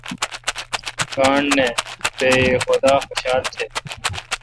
گانٹھ نہ۔ بہ یئ خدا خوشال تہ۔